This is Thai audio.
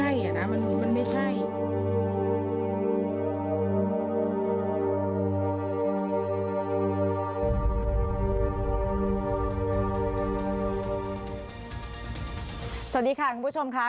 ใครที่ติดตามข่าวนี้ในช่วง๒๓วันที่ผ่านมา